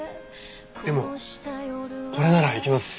でもこれならいけます。